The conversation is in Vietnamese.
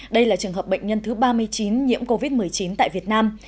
đây là trường hợp bệnh nhân thứ ba mươi chín nhiễm covid một mươi chín tại việt nam